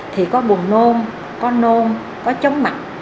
thì có buồn nôn có nôn có chống mặt